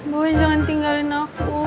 boy jangan tinggalin aku